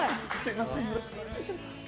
よろしくお願いします。